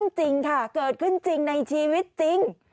จริงค่ะเกิดขึ้นจริงในชีวิตจริง